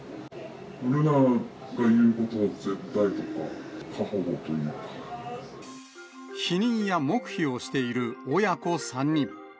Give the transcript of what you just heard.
瑠奈が言うことが絶対、過保護と否認や黙秘をしている親子３人。